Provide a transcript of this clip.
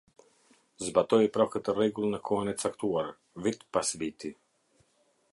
Zbatoje pra këtë rregull në kohën e caktuar, vit pas viti.